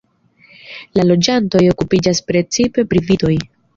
La loĝantoj okupiĝas precipe pri vitoj.